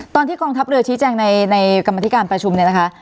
ตอนที่กองทัพเรือชี้แจงในกรรมธิการประชุมเนี่ยนะคะ